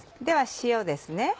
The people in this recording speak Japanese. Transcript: では塩ですね。